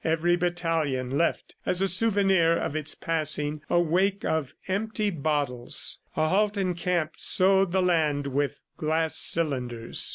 Every battalion left as a souvenir of its passing a wake of empty bottles; a halt in camp sowed the land with glass cylinders.